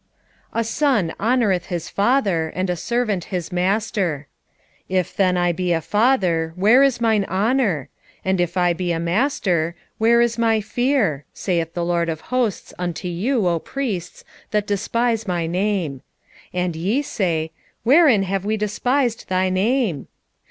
1:6 A son honoureth his father, and a servant his master: if then I be a father, where is mine honour? and if I be a master, where is my fear? saith the LORD of hosts unto you, O priests, that despise my name. And ye say, Wherein have we despised thy name?